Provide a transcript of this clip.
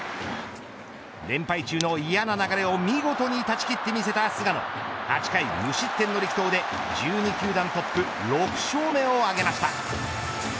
連敗中の嫌な流れを見事に断ち切ってみせた菅野８回無失点の力投で１２球団トップ６勝目を挙げました。